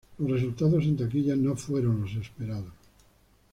Los resultados en taquilla no fueron los esperados.